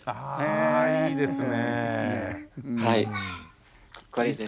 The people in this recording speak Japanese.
あいいですね。